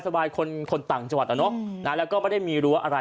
คนคนต่างจังหวัดอะเนาะแล้วก็ไม่ได้มีรั้วอะไร